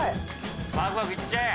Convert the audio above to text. バクバクいっちゃえ。